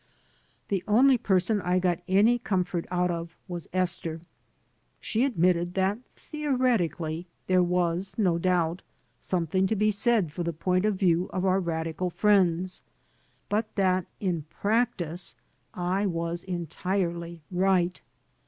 The only person I got any comfort out of was Esther. She admitted that theoretically there was, no doubt, something to be said for the point of view of our radical friends, but that in practice I was entirely right.